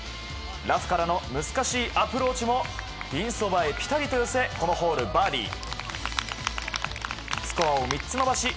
ラフからの難しいアプローチもピンそばへ、ピタリと寄せこのホール、バーディー。